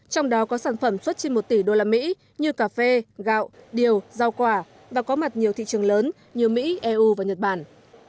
trong đó có sản phẩm xuất trên một tỷ đô n ribbons như cà phê gạo điều dao quả và có mặt nhiều thị trường lớn như mỹ eu và nhật bản